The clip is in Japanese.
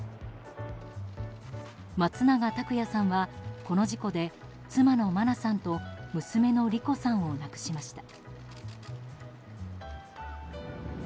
松永拓也さんは、この事故で妻の真菜さんと娘の莉子さんを亡くしました。